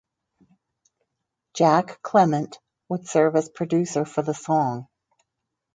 Jack Clement would serve as producer for the song.